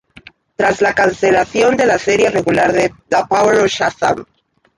Tras la cancelación de la serie regular de "The Power of Shazam!